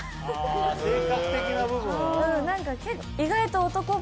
性格的な部分が。